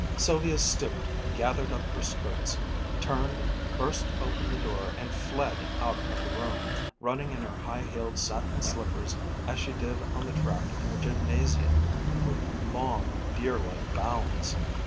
Sylvia stooped, gathered up her skirts, turned, burst open the door, and fled out of the room, running in her high heeled satin slippers as she did on the track in the Gymnasium, with long, deer like bounds.